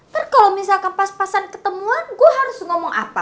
terus kalau misalkan pas pasan ketemuan gue harus ngomong apa